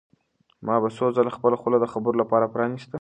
ما به څو ځله خپله خوله د خبرو لپاره پرانیسته.